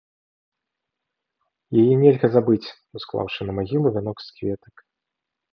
Яе нельга забыць, усклаўшы на магілу вянок з кветак.